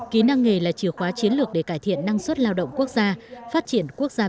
kỹ năng nghề là chìa khóa chiến lược để cải thiện năng lượng